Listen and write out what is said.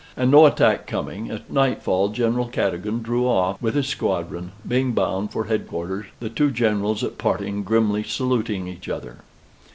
And no attack coming, at nightfall General Cadogan drew off with his squadron, being bound for head quarters, the two Generals at parting grimly saluting each other.